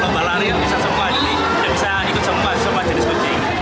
lomba larian bisa semua jadi bisa ikut semua jenis kucing